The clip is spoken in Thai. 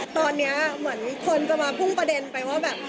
ตอนนี้เหมือนคนจะมาพุ่งประเด็นไปว่าแบบ